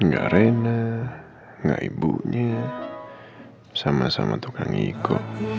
gak rena gak ibunya sama sama tukang iko